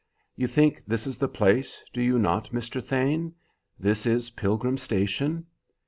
"You think this is the place, do you not, Mr. Thane? This is Pilgrim Station?"